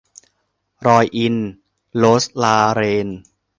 รอยอินทร์ - โรสลาเรน